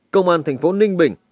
công an thành phố ninh bình